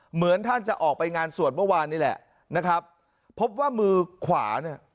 เหมือนท่านจะออกไปงานสวดเมื่อวานนี่แหละนะครับพบว่ามือขวาเนี่ย